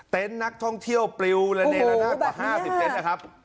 เตนต์นักท่องเที่ยวเปลี่ยวระแหนนา๕๐๐เทนต์นะครับ